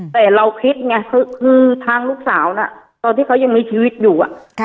แต่เราคิดไงคือทางลูกสาวน่ะตอนที่เขายังมีชีวิตอยู่